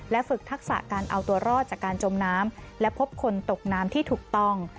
ฝึกทักษะการเอาตัวรอดจากการจมน้ำและพบคนตกน้ำที่ถูกต้อง